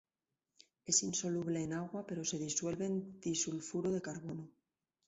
Es insoluble en agua pero se disuelve en disulfuro de carbono.